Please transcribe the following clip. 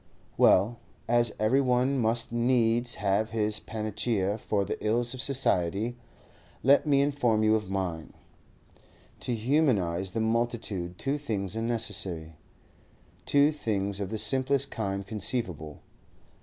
Well, as every one must needs have his panacea for the ills of society, let me inform you of mine. To humanise the multitude two things are necessary—two things of the simplest kind conceivable.